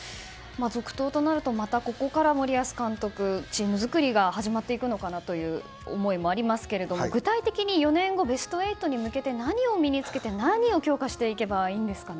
続投となるとまたここから森保監督チーム作りが始まっていくのかなという思いもありますけれども具体的に４年後ベスト８に向けて何を身に付けて、何を強化していけばいいんですかね。